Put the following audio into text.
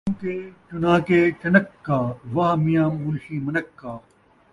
چون٘کہ چنان٘کہ چنکّا ، واہ میاں منشی منکّا